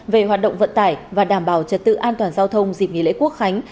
về hoạt động vận tải và đảm bảo trật tự an toàn giao thông dịp nghỉ lễ quốc khánh